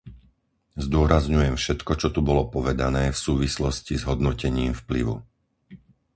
Zdôrazňujem všetko, čo tu bolo povedané v súvislosti s hodnotením vplyvu.